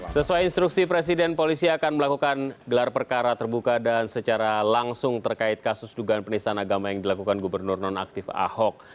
sesuai instruksi presiden polisi akan melakukan gelar perkara terbuka dan secara langsung terkait kasus dugaan penistaan agama yang dilakukan gubernur nonaktif ahok